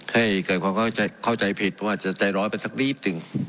ให้เกิดความเข้าใจเข้าใจผิดเพราะว่าจะใจร้อยไปสักนี้สิ่ง